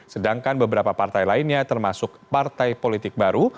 sedangkan beberapa partai lainnya termasuk partai politik baru